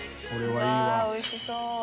うわおいしそう！